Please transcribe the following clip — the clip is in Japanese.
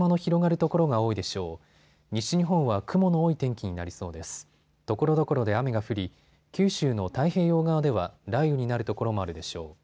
ところどころで雨が降り九州の太平洋側では雷雨になる所もあるでしょう。